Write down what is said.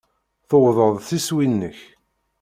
Tuwḍeḍ s iswi-nnek.